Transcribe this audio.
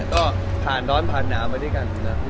ก็ผ่านร้อนผ่านหนามนวันนี้กันนะ